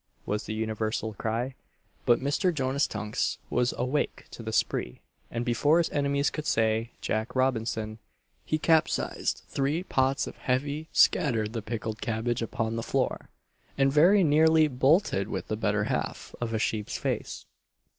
was the universal cry; but Mr. Jonas Tunks was awake to the "spree," and before his enemies could say "Jack Robinson," he capsized three pots of heavy, scattered the pickled cabbage upon the floor, and very nearly bolted with the better half of a sheep's face!